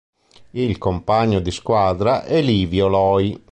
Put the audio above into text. Il compagno di squadra è Livio Loi.